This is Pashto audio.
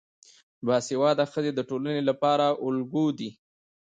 باسواده ښځې د ټولنې لپاره الګو دي.